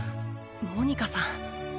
モニカさん